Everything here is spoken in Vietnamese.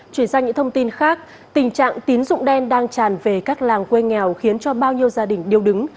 chuyển sang những thông tin khác tình trạng tín dụng đen đang tràn về các làng quê nghèo khiến cho bao nhiêu gia đình điêu đứng